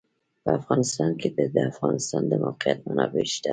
په افغانستان کې د د افغانستان د موقعیت منابع شته.